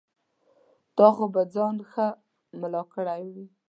تا خو به ځان ښه ملا کړی وي.